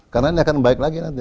karena ini akan baik lagi nanti